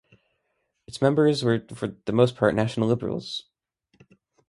Its members were for the most part national liberals.